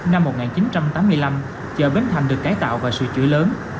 năm một nghìn chín trăm tám mươi năm chợ bến thành được cải tạo và sửa chữa lớn